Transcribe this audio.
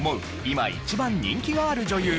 今一番人気がある女優